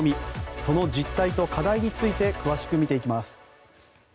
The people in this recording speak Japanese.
その実態と課題について詳しく見ていきます。